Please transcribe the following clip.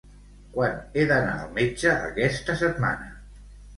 Quan he d'anar al metge aquesta setmana?